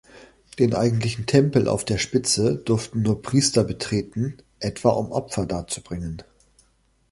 Den eigentlichen Tempel auf der Spitze durften nur Priester betreten, etwa um Opfer darzubringen.